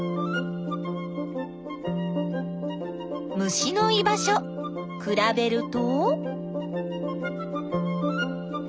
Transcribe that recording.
虫の居場所くらべると。